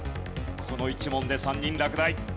この１問で３人落第。